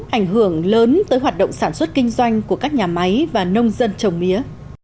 ảnh hưởng lớn tới hoạt động sản xuất kinh doanh của các nhà máy và nông dân trồng mía